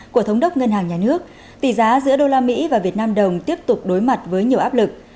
của thống đốc ngân hàng nhà nước tỷ giá giữa usd và vnđ tiếp tục đối mặt với nhiều áp lực